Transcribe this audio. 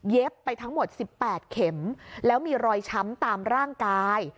ไปทั้งหมด๑๘เข็มแล้วมีรอยช้ำตามร่างกาย